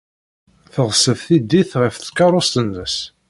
Teɣṣeb tiddit ɣer tkeṛṛust-nnes.